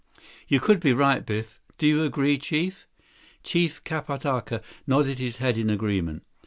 "You could be right, Biff. Do you agree, Chief?" Chief Kapatka nodded his head in agreement.